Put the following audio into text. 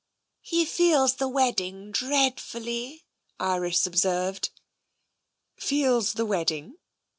He feels the wedding dreadfully'' Iris observed. " Feels the wedding?